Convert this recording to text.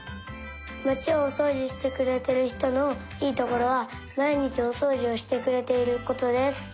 まちをおそうじしてくれてるひとのいいところはまいにちおそうじをしてくれていることです。